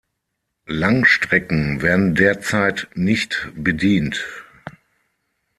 Langstrecken werden derzeit nicht bedient.